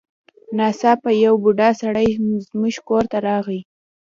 ناڅاپه یو بوډا سړی زموږ کور ته راغی.